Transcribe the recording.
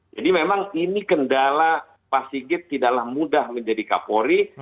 jadi memang ini kendala pak sigit tidaklah mudah menjadi kapolri